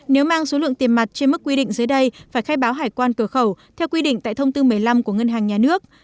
nếu mang số lượng tiền mặt trên mức quy định dưới đây phải khai báo hải quan cửa khẩu theo quy định tại thông tư một mươi năm của ngân hàng nhà nước